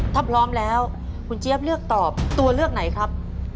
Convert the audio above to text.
ถ้าพร้อมแล้วคุณเจี๊ยบเลือกตอบตัวเลือกไหนครับ